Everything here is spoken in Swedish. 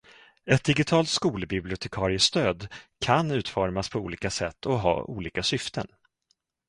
Ett digitalt skolbibliotekariestöd kan utformas på olika sätt och ha olika syften.